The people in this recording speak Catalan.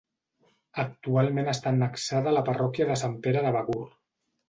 Actualment està annexada a la parròquia de Sant Pere de Begur.